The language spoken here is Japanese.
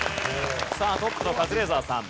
さあトップのカズレーザーさん。